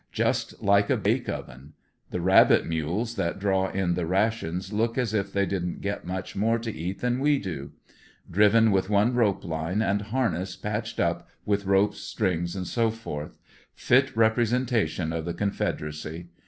Just like a bake oven. The rabbit mules that draw in the rations look as if they didn't get much nore to eat than we do. Driven with one rope line, and harness patched up with ropes, strings, &c. Fit representation of the Confederacy.